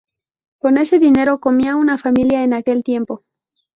Con ese dinero comía una familia en aquel tiempo.